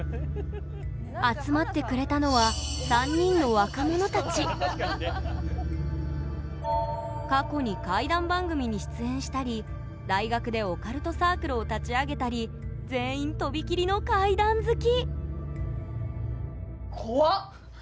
集まってくれたのは過去に怪談番組に出演したり大学でオカルトサークルを立ち上げたり全員とびきりの怪談好き！